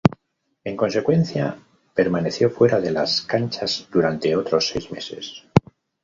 En consecuencia permaneció fuera de las canchas durante otros seis meses.